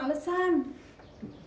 hai bukan kan